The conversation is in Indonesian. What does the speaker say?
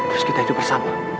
dan kita hidup bersama